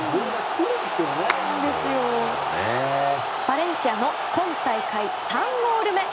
バレンシアの今大会３ゴール目。